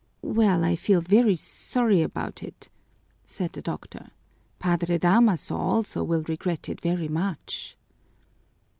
"Well, I feel very sorry about it," said the doctor; "Padre Damaso also will regret it very much."